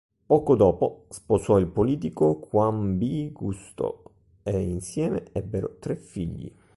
Poco dopo, sposò il politico Juan B. Justo e insieme ebbero tre figli.